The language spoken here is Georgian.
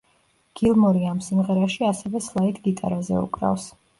გილმორი ამ სიმღერაში ასევე სლაიდ გიტარაზე უკრავს.